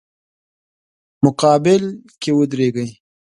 مقابل کې ودریږي.